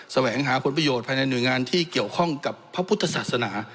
แหวงหาผลประโยชน์ภายในหน่วยงานที่เกี่ยวข้องกับพระพุทธศาสนา